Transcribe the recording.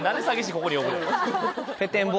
ここに呼ぶねん